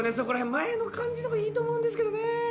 前の感じのほうがいいと思うんですけどね！